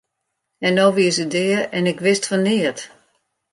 En no wie se dea en ik wist fan neat!